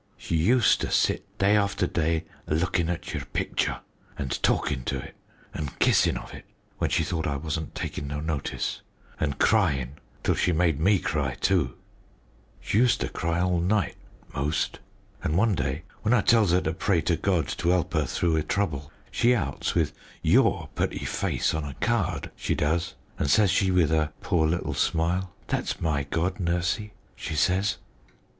She useter sit day after day, a lookin' at your picture an' talkin' to it an' kissin' of it, when she thought I wasn't takin' no notice, and cryin' till she made me cry too. She useter cry all night 'most. An' one day, when I tells 'er to pray to God to 'elp 'er through 'er trouble, she outs with your putty face on a card, she doez, an', says she, with her poor little smile, 'That's my god, Nursey,' she says."